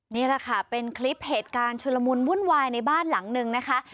นี่แหละค่ะเป็นคลิปเหตุการณ์ชุลมุนวุ่นวายในบ้านหลังนึงนะคะ